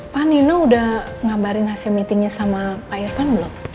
pak nino sudah mengabarkan hasil meeting nya dengan pak irvan belum